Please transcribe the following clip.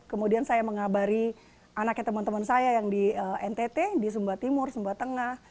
kemudian saya mengabari anaknya teman teman saya yang di ntt di sumba timur sumba tengah